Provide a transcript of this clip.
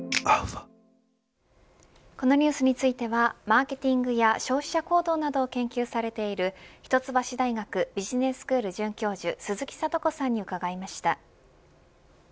このニュースについてはマーケティングや消費者行動などを研究されている一橋大学ビジネススクール准教授鈴木智子さんに伺いました。